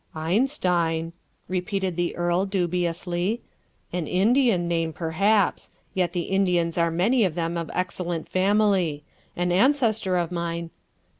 "Einstein," repeated the earl dubiously "an Indian name perhaps; yet the Indians are many of them of excellent family. An ancestor of mine...."